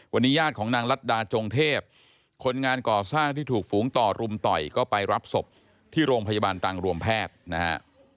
วันนี้ญาติของนางรัฐดาจงเทพคนงานก่อสร้างที่ถูกฝูงต่อรุมต่อยก็ไปรับศพที่โรงพยาบาลตรังรวมแพทย์นะฮะ